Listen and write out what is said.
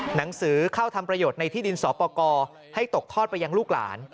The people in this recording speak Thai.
หนังสือเข้าทำประโยชน์ในที่ดินสอปกรให้ตกทอดไปยังลูกหลาน